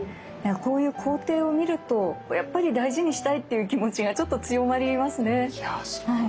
こういう工程を見るとやっぱり大事にしたいっていう気持ちがちょっと強まりますね。